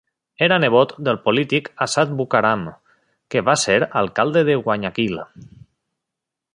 Era nebot del polític Assad Bucaram, que va ser alcalde de Guayaquil.